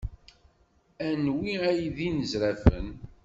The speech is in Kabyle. Anwi ay d inezrafen?